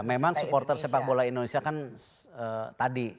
memang supporter sepak bola indonesia kan tadi